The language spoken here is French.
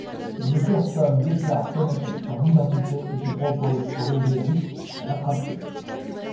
Une personne déclare connaître son identité et se propose pour aider Ric à l'attraper.